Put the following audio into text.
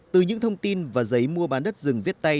từ những thông tin và giấy mua bán đất rừng viết tay